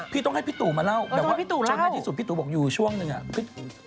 พี่ต้องให้พี่ตูมาเล่าจนให้ที่สุดพี่ตูอยู่ช่วงหนึ่ง